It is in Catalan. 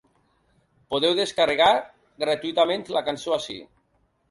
Podeu descarregar gratuïtament la cançó ací.